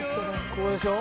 ここでしょ